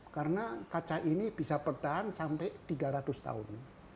karena kaca ini bisa bertahan sampai tiga ratus tahun